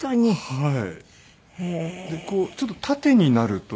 はい。